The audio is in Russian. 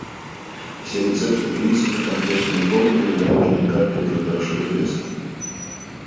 Все рецепты, принципы, конкретные формулы и «дорожные карты» уже хорошо известны.